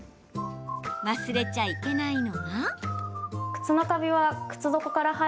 忘れちゃいけないのが。